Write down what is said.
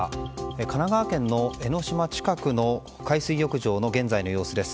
神奈川県の江の島近くの海水浴場の現在の様子です。